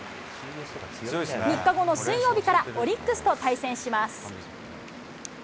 ３日後の水曜日からオリックスと対戦します。